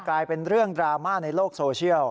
กลายเป็นเรื่องดราม่าในโลกโซเชียล